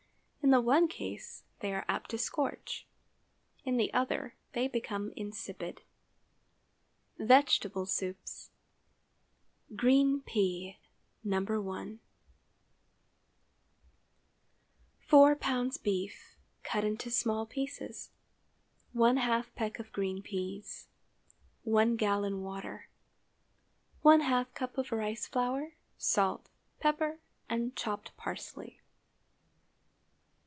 In the one case they are apt to scorch; in the other they become insipid. VEGETABLE SOUPS. GREEN PEA. (No. 1.) ✠ 4 lbs. beef—cut into small pieces. ½ peck of green peas. 1 gallon water. ½ cup of rice flour, salt, pepper and chopped parsley.